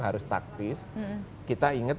harus taktis kita ingat